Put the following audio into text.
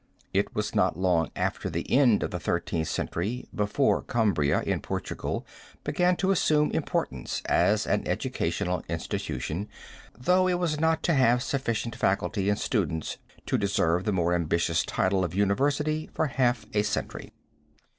It was not long after the end of the Thirteenth Century before Coimbra, in Portugal, began to assume importance as an educational institution, though it was not to have sufficient faculty and students to deserve the more ambitious title of university for half a century.